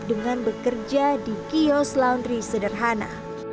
dengan bekerja di kios laundry sederhana